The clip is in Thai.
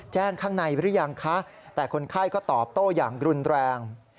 ข้างในหรือยังคะแต่คนไข้ก็ตอบโต้อย่างรุนแรง